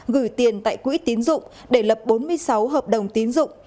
gửi tiền tại quỹ tín dụng để lập bốn mươi sáu hợp đồng tín dụng